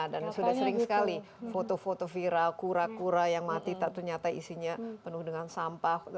dan sudah sering sekali foto foto viral kura kura yang mati ternyata isinya penuh dengan sampah